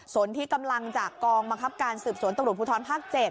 ส่วนที่กำลังจากกองบังคับการสืบสวนตำรวจภูทรภาค๗